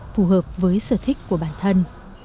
phù hợp với sở thích của bản thân